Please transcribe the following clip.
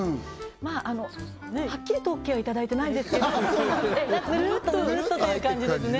まああのはっきりとＯＫはいただいてないですけどぬるっとぬるっとという感じですね